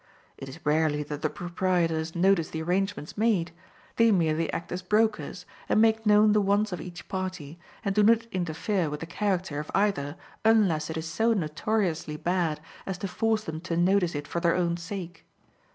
It is rarely that the proprietors notice the arrangements made; they merely act as brokers, and make known the wants of each party, and do not interfere with the character of either unless it is so notoriously bad as to force them to notice it for their own sake.